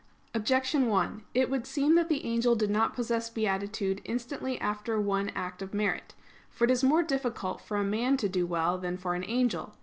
Objection 1: It would seem that the angel did not possess beatitude instantly after one act of merit. For it is more difficult for a man to do well than for an angel.